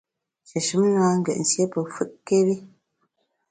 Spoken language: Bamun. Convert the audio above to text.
Shéshùm na ngét nsié pe fùtkéri.